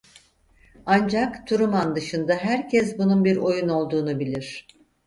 Ancak Truman dışında herkes bunun bir oyun olduğunu bilir.